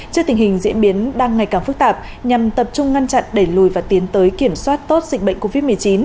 trước tình hình diễn biến đang ngày càng phức tạp nhằm tập trung ngăn chặn đẩy lùi và tiến tới kiểm soát tốt dịch bệnh covid một mươi chín